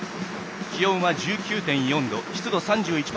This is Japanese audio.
気温は１９．４度湿度３１％。